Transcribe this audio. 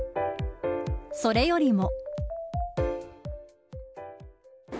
それよりも。